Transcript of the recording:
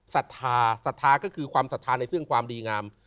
ศรัทธาศรัทธาก็คือความศรัทธาในเรื่องความดีงาม